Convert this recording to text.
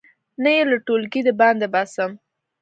نه یې له ټولګي د باندې باسم.